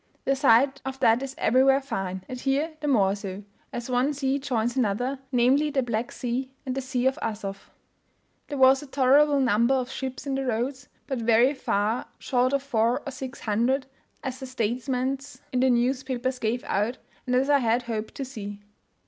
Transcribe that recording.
The sight of that is everywhere fine, and here the more so, as one sea joins another, namely, the Black Sea and the Sea of Asoph. There was a tolerable number of ships in the roads, but very far short of four or six hundred, as the statements in the newspapers gave out, and as I had hoped to see.